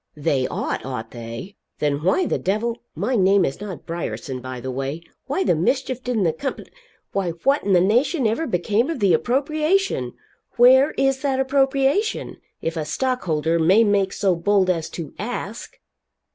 "They ought, ought they? Then why the devil my name is not Bryerson, by the way why the mischief didn't the compa why what in the nation ever became of the appropriation? Where is that appropriation? if a stockholder may make so bold as to ask."